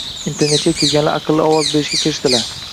Internetga kirganlar aqlli ovoz berishga kirishdilar